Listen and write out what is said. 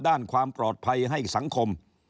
ด้านความปลอดภัยให้สังคม